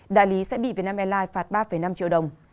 đại lý sẽ bị vietnam airlines phạt ba năm triệu đồng